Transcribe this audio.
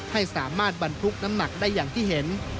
สามารถบรรทุกน้ำหนักได้อย่างที่เห็น